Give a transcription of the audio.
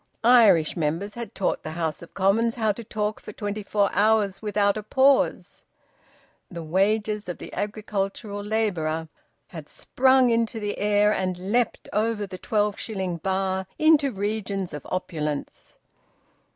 Irish members had taught the House of Commons how to talk for twenty four hours without a pause. The wages of the agricultural labourer had sprung into the air and leaped over the twelve shilling bar into regions of opulence.